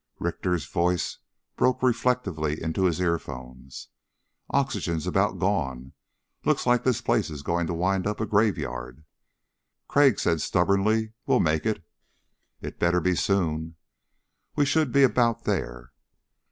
Richter's voice broke reflectively into his earphones, "Oxygen's about gone. Looks like this place is going to wind up a graveyard." Crag said stubbornly: "We'll make it." "It better be soon...." "We should be about there."